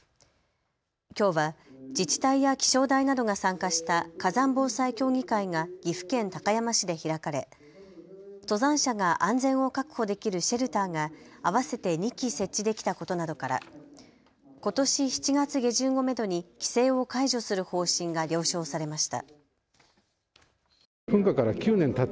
きょうは自治体や気象台などが参加した火山防災協議会が岐阜県高山市で開かれ登山者が安全を確保できるシェルターが合わせて２基設置できたことなどからことし７月下旬をめどに規制を解除する方針が了承されました。